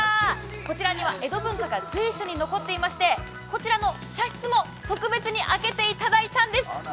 こちらには江戸文化が随所に残っていまして、茶室も特別に開けていただいたんです。